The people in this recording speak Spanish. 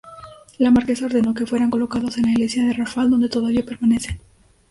La marquesa ordenó que fueran colocados en la Iglesia de Rafal donde todavía permanecen.